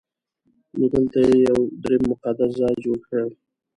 نو دلته یې یو درېیم مقدس ځای جوړ کړ.